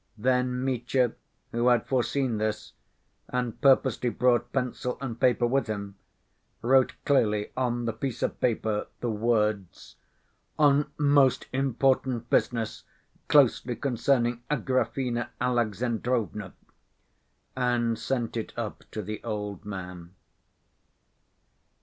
Then Mitya, who had foreseen this, and purposely brought pencil and paper with him, wrote clearly on the piece of paper the words: "On most important business closely concerning Agrafena Alexandrovna," and sent it up to the old man.